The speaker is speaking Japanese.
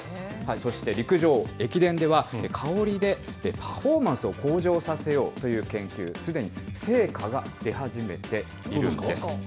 そして、陸上、駅伝では、香りでパフォーマンスを向上させようという研究、すでに成果が出始めているんです。